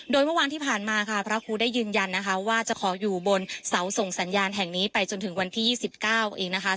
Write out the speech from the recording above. โดยเมื่อวานที่ผ่านมาค่ะพระครูได้ยืนยันนะคะว่าจะขออยู่บนเสาส่งสัญญาณแห่งนี้ไปจนถึงวันที่๒๙เองนะคะ